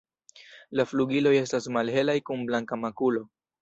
La flugiloj estas malhelaj kun blanka makulo.